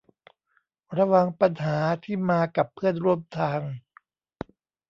ระวังปัญหาที่มากับเพื่อนร่วมทาง